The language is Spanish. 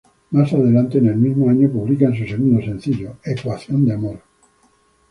Más adelante, en el mismo año publican se segundo sencillo "Ecuación De Amor".